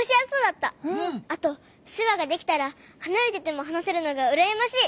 あとしゅわができたらはなれててもはなせるのがうらやましい！